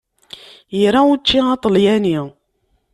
Ira učči aṭalyani.